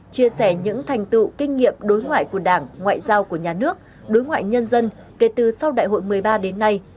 chia sẻ những thành tựu kinh nghiệm đối ngoại của đảng ngoại giao của nhà nước đối ngoại nhân dân kể từ sau đại hội một mươi ba đến nay